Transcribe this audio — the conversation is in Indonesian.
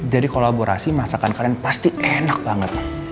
jadi kolaborasi masakan kalian pasti enak banget